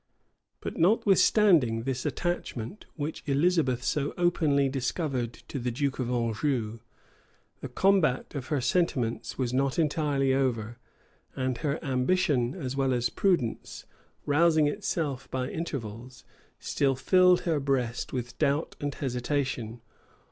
But notwithstanding this attachment which Elizabeth so openly discovered to the duke of Anjou, the combat of her sentiments was not entirely over; and her ambition, as well as prudence, rousing itself by intervals, still filled her breast with doubt and hesitation.